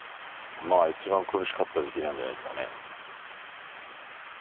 まあ一番苦しかった時期なんじゃないですかね。